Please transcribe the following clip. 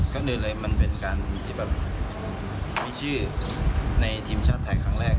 ก็เลยมันเป็นการที่แบบมีชื่อในทีมชาติไทยครั้งแรก